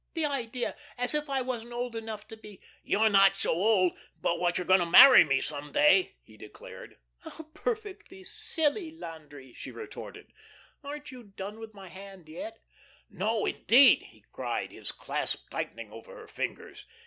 "The idea! As if I wasn't old enough to be " "You're not so old but what you're going to marry me some day," he declared. "How perfectly silly, Landry!" she retorted. "Aren't you done with my hand yet?" "No, indeed," he cried, his clasp tightening over her fingers.